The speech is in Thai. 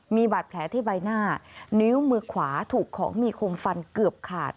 มีบาดแผลที่ใบหน้านิ้วมือขวาถูกของมีคมฟันเกือบขาด